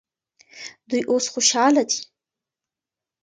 دوی اوس خوشحاله دي.